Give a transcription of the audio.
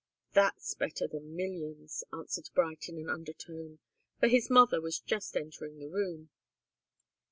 "That's better than millions," answered Bright, in an undertone, for his mother was just entering the room.